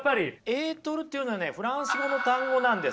エートルというのはねフランス語の単語なんです。